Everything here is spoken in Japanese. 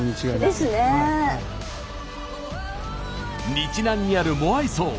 日南にあるモアイ像。